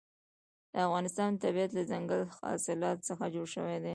د افغانستان طبیعت له دځنګل حاصلات څخه جوړ شوی دی.